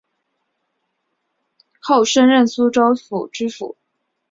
后升任苏州府知府